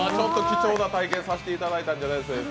貴重な体験させていただいたんじゃないですか。